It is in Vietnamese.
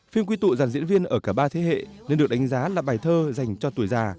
phim quy tụ dàn diễn viên ở cả ba thế hệ nên được đánh giá là bài thơ dành cho tuổi già